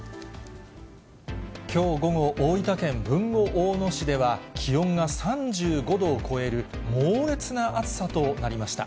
きょう午後、大分県豊後大野市では、気温が３５度を超える猛烈な暑さとなりました。